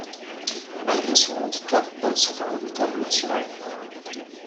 Malgré son handicap, c'est un redoutable tireur.